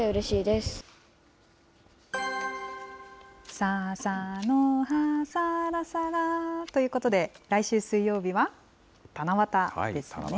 さーさーのは、さーらさらということで、来週水曜日は、七夕ですね。